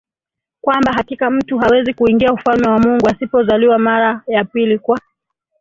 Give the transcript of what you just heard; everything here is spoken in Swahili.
kwamba hakika mtu hawezi kuingia ufalme wa Mungu asipozaliwa mara ya pili kwa